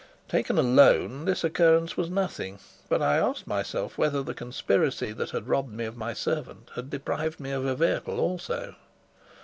Taken alone, this occurrence was nothing; but I asked myself whether the conspiracy that had robbed me of my servant had deprived me of a vehicle also.